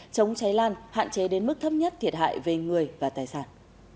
chống cháy lan hạn chế đến mức thấp nhất thiệt hại về người và tài sản